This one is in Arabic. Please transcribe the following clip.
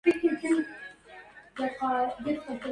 امدح الكأس ومن أعملها